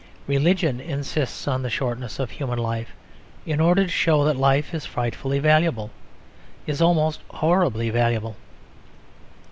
Religion insists on the shortness of human life in order to show that life is frightfully valuable is almost horribly valuable.